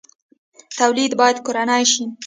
تولید باید کورنی شي